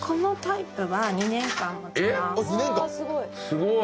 すごい。